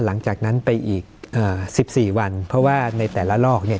หลังจากนั้นไปอีก๑๔วันเพราะว่าในแต่ละลอกเนี่ย